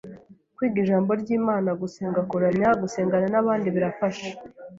kwiga Ijambo ry'Imana, gusenga, kuramya, gusengana n'abandi, birafasha